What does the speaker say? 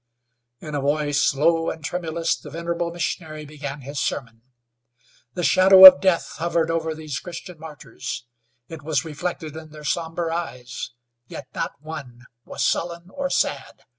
In a voice low and tremulous the venerable missionary began his sermon. The shadow of death hovered over these Christian martyrs; it was reflected in their somber eyes, yet not one was sullen or sad.